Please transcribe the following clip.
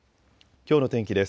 きょうの天気です。